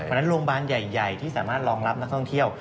เพราะฉะนั้นโรงพยาบาลใหญ่ที่สามารถรองรับนักท่องเที่ยว